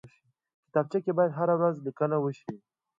کتابچه کې باید هره ورځ لیکنه وشي